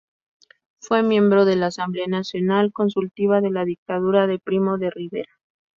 Fue miembro de la Asamblea Nacional Consultiva de la dictadura de Primo de Rivera.